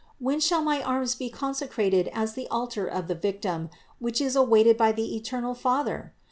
When shall my arms be consecrated as the altar of the Victim, which is awaited by the eternal Father?